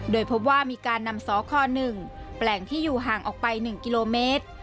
โดยพบว่ามีการนำสค๑แปลงที่อยู่ห่างออกไป๑กิโลเมตร